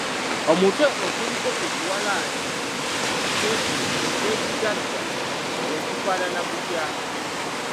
Omutwe oguliko ekiwalaata eky’ekigagga gwe gufaanana gutya?